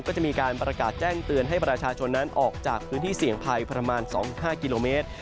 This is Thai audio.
ก็จะมีการประกาศแจ้งเตือนให้ประชาชนนั้นออกจากพื้นที่เสี่ยงภัยประมาณ๒๕กิโลเมตร